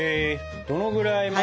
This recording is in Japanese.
どのぐらいまで？